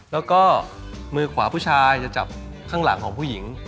แล้วก็มือขวาผู้ชายจะจับข้างหลังของผู้หญิง